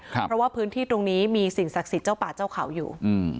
เพราะว่าพื้นที่ตรงนี้มีสิ่งศักดิ์สิทธิ์เจ้าป่าเจ้าเขาอยู่